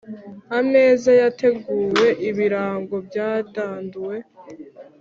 Ameza yateguwe, ibirago byadanduwe,